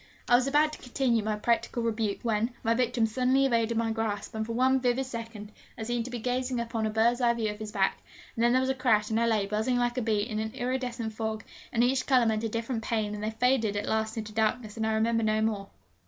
I was about to continue my practical rebuke, when my victim suddenly evaded my grasp; and for one vivid second I seemed to be gazing upon a birdseye view of his back; and then there was a crash, and I lay, buzzing like a bee, in an iridescent fog, and each colour meant a different pain, and they faded at last into darkness, and I remember no more.